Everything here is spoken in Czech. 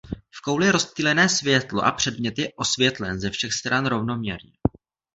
V kouli je rozptýlené světlo a předmět je osvětlen ze všech stran rovnoměrně.